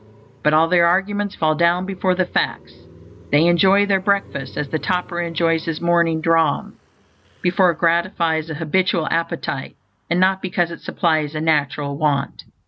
But all their arguments fall down before the facts. They enjoy their breakfast as the toper enjoys his morning dram, because it gratifies a habitual appetite and not because it supplies a natural want.